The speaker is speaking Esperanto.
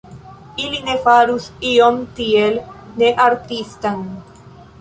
Ili ne farus ion tiel ne-artistan.